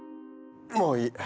もういい！